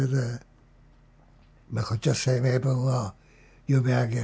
こっちは声明文を読み上げる。